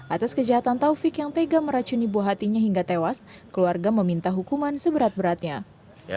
atas kejahatan taufik yang tega meracuni buah hatinya hingga tewas keluarga meminta hukuman seberat beratnya